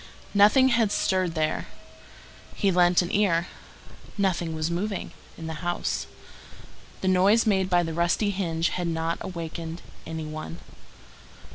Nothing had stirred there. He lent an ear. Nothing was moving in the house. The noise made by the rusty hinge had not awakened any one.